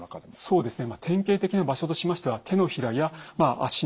そうですね。